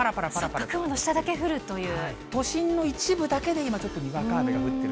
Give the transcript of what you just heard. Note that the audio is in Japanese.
そっか、雲の下だけ降るとい都心の一部だけ今、ちょっとにわか雨が降ってる。